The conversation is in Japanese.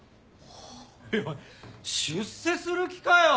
おいおい出世する気かよ！